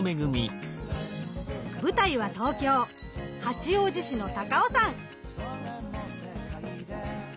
舞台は東京・八王子市の高尾山。